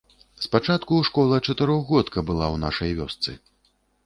Спачатку школа-чатырохгодка была ў нашай вёсцы.